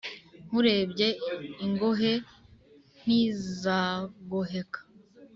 nkurebye ingohe ntizagoheka